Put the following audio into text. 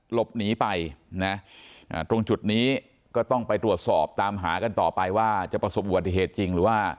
หลบหนีไปนะตรงจุดนี้ก็ต้องไปตรวจสอบตามหากันต่อไปว่าจะประสบอุบัติเหตุจริงหรือว่า